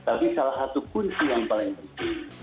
tapi salah satu kunci yang paling penting